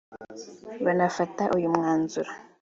banafata uyu mwanzuro